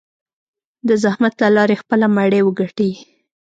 د زحمت له لارې خپله مړۍ وګټي.